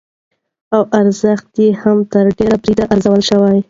او ارزښت يې هم تر ډېره بريده ارزول شوى،